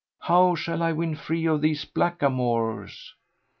How shall I win free of these blackamoors?"